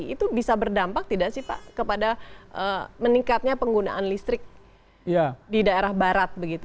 itu bisa berdampak tidak sih pak kepada meningkatnya penggunaan listrik di daerah barat begitu